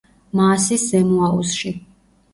მაასის ზემო აუზში.